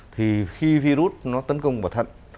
thì khi virus nó tấn công vào thận